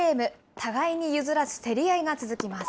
互いに譲らず、競り合いが続きます。